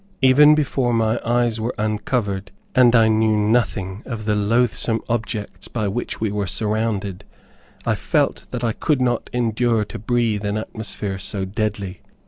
Even before my eyes were uncovered, and I knew nothing of the loathsome objects by which we were surrounded, I felt that I could not endure to breathe an atmosphere so deadly.